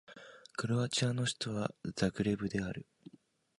クロアチアの首都はザグレブである